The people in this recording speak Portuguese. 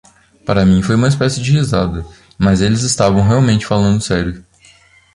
Para mim foi uma espécie de risada, mas eles estavam realmente falando sério.